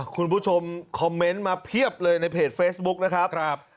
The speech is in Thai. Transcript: คุณผู้ชมคอมเมนต์มาเพียบเลยในเพจเฟซบุ๊คนะครับ